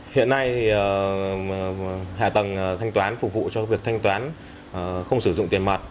hiện nay hạ tầng thanh toán phục vụ cho việc thanh toán không sử dụng tiền mặt